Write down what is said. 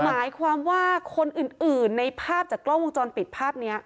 หมายความว่าคนอื่นในภาพจากกล้องวงจรปิดภาพนี้